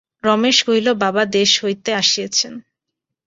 রমেশ কহিল, বাবা দেশ হইতে আসিয়াছেন।